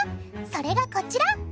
それがこちら！